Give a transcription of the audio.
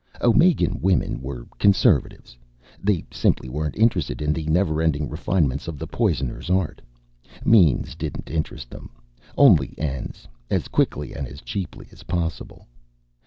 Omegan women were conservatives. They simply weren't interested in the never ending refinements of the poisoner's art. Means didn't interest them; only ends, as quickly and as cheaply as possible.